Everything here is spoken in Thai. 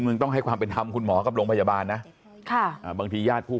หนึ่งต้องให้ความเป็นทำคุณหมอกับโรงพยาบาลนะบางทีญาติผู้